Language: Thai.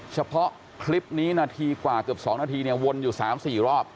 เฉพาะคลิปนี้นาทีกว่าเกือบ๒นาทีเนี่ยวนอยู่๓๔รอบ